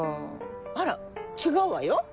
あら違うわよ。